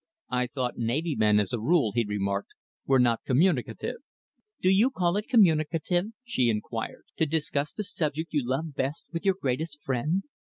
"I thought navy men, as a rule," he remarked, "were not communicative." "Do you call it communicative," she enquired, "to discuss the subject you love best with your greatest friend?